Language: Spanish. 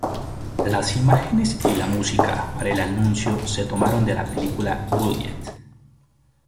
Las imágenes y la música para el anuncio se tomaron de la película "Bullitt".